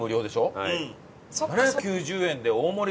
７９０円で大盛